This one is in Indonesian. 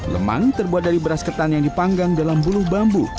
lemang terbuat dari beras ketan yang dipanggang dalam bulu bambu